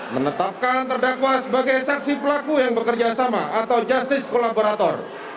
menetapkan terdakwa sebagai saksi pelaku yang bekerja sama atau justice kolaborator